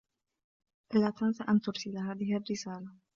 لا تنسَ أن ترسل هذه الرسالة.